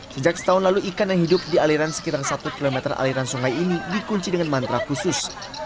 sejak setahun lalu ikan yang hidup di aliran sekitar satu km aliran sungai ini dikunci dengan mantra khusus